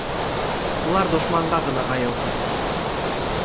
Улар дошманға ғына аяуһыҙ.